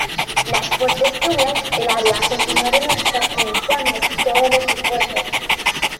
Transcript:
Las fuertes lluvias en el área continuaron obstaculizando todos los esfuerzos.